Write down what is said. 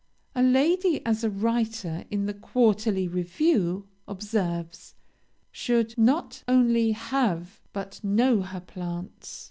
A lady, as a writer in the 'Quarterly Review' observes, should 'not only have but know her plants.'